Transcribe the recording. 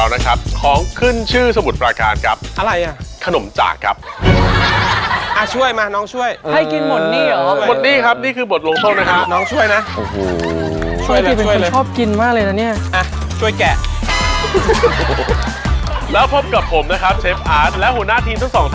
นั่นมันรอลิง